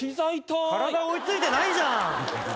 体追い付いてないじゃん。